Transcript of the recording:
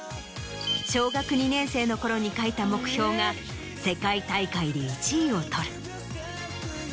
小学２年生の頃に書いた目標が「世界大会で１位をとる」。